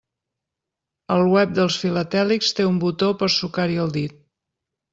El web dels filatèlics té un botó per sucar-hi el dit.